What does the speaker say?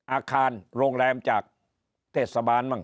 อาคารโรงแรมจากเทศบัน